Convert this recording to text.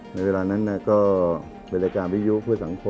ในเวลานั้นก็เป็นรายการวิยุเพื่อสังคม